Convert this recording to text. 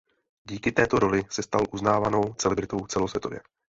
Díky této roli se stal uznávanou celebritou celosvětově.